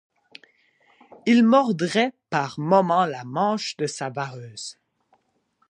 Il mordait par moments la manche de sa vareuse.